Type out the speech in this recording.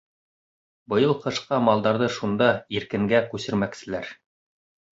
Быйыл ҡышҡа малдарҙы шунда — иркенгә — күсермәкселәр.